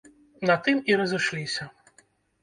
На тым і разышліся.